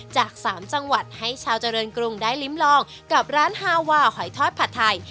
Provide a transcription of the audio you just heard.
จาก๓จังหวัดให้ชาวเจริญกรุงได้ลิ้มลองกับร้านฮาวาหอยทอดผัดไทย